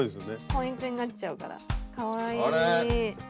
ポイントになっちゃうからかわいい。